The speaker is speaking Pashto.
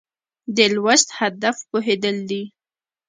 د لوست هدف پوهېدل دي.